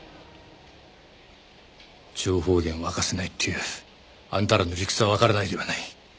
情報源を明かせないっていうあんたらの理屈はわからないでもない。